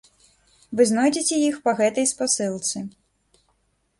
Вы знойдзеце іх па гэтай спасылцы.